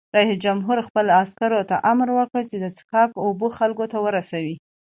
رئیس جمهور خپلو عسکرو ته امر وکړ؛ د څښاک اوبه خلکو ته ورسوئ!